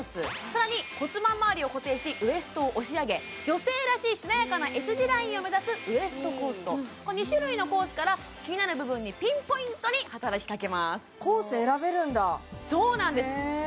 さらに骨盤周りを固定しウエストを押し上げ女性らしいしなやかなＳ字ラインを目指すウエストコースと２種類のコースからキニナル部分にピンポイントに働きかけますコース選べるんだへえそうなんです